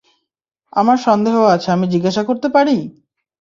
আমার সন্দেহ আছে, আমি জিজ্ঞেস করতে পারি?